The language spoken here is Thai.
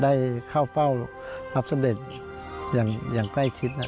ได้เข้าเฝ้ารับเสด็จอย่างใกล้ชิดนะ